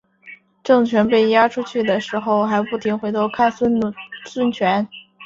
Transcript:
郑泉被押出去的时候还不停回头看孙权。